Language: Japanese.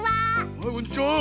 はいこんにちは。